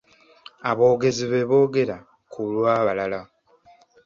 Aboogezi beeboogera ku lw'abalala.